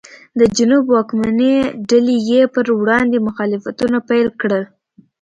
د جنوب واکمنې ډلې یې پر وړاندې مخالفتونه پیل کړل.